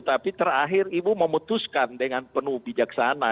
tapi terakhir ibu memutuskan dengan penuh bijaksana